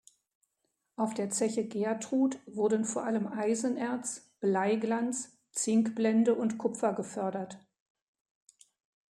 Auf der Zeche Gertrud wurden vor allem Eisenerz, Bleiglanz, Zinkblende und Kupfer gefördert.